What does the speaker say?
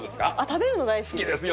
食べるの大好きです。